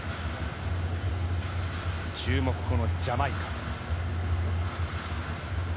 注目、ジャマイカ。